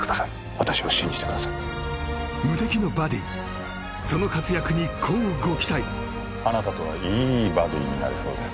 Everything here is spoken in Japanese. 私を信じてください無敵のバディその活躍に乞うご期待あなたとはいいバディになれそうです